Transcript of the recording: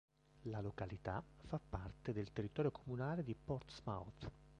La località fa parte del territorio comunale di Portsmouth.